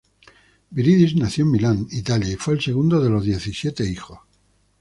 Viridis nació en Milán, Italia y fue el segundo de los diecisiete hijos.